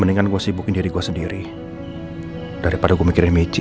mendingan gua sibukin diri gua sendiri daripada gua mikirin michi